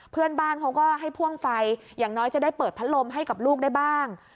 เพื่อนบ้านเขาก็ให้พ่วงไฟอย่างน้อยจะได้เปิดพัดลมให้กับลูกได้บ้าง